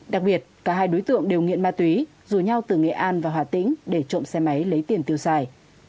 đặc biệt cả hai đối tượng đều nghiện ma túy rủ nhau từ nghệ an vào hà tĩnh để trộm xe máy lấy tiền tiêu xài